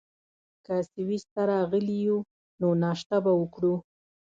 که سویس ته راغلي یو، نو ناشته به وکړو.